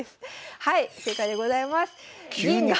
はい正解でございます。